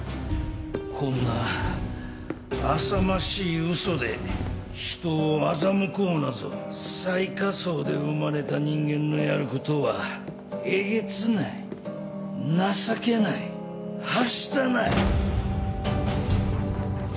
こんな浅ましい嘘で人を欺こうなぞ最下層で生まれた人間のやることはえげつない情けないはしたない。